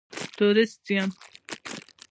تورېست یم.